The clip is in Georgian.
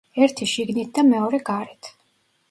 ერთი შიგნით და მეორე გარეთ.